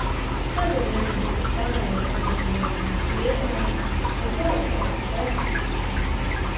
Tādēļ nezinu kur pārējie kanaki nozuda, Liepājā, vai savās lauku sētās?